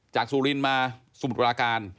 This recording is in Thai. จากสุรินทร์มาสมุดวาราการ